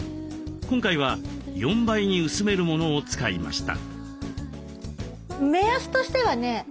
今回は４倍に薄めるものを使いました。